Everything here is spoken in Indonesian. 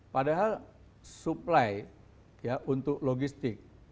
padahal supply untuk logistik